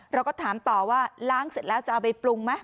เราก็ถามต่อว่าล้างเสร็จแล้วจะเอาไปปรุงไหม